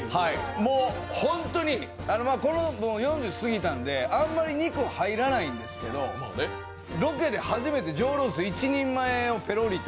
もうホントに、４０過ぎたんであんまり肉入らないんですけど、ロケで初めて上ロース１人前をペロリと。